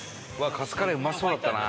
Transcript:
カツカレーうまそうだったな。